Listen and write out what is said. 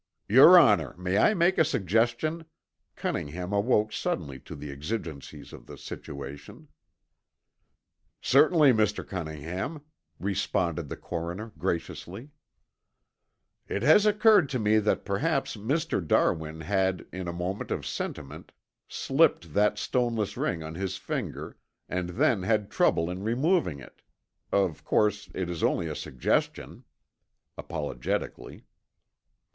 "Your honor, may I make a suggestion?" Cunningham awoke suddenly to the exigencies of the situation. "Certainly, Mr. Cunningham," responded the coroner graciously. "It has occurred to me that perhaps Mr. Darwin had in a moment of sentiment slipped that stoneless ring on his finger, and then had trouble in removing it. Of course it is only a suggestion," apologetically.